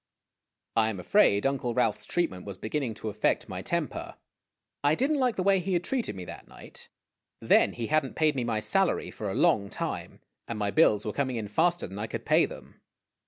I am afraid Uncle Ralph's treatment was beginning to affect my temper. I did n't like the way he had treated me that night. Then he had n't paid me my salary for a long time, and my bills were coming in faster than I could pay them.